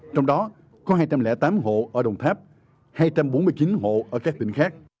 trong đó có hai trăm linh tám hộ ở đồng tháp hai trăm bốn mươi chín hộ ở các tỉnh khác